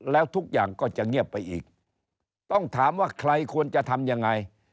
แล้วทุกอย่างก็จะเงียบไปอีกต้องถามว่าใครควรจะทำยังไง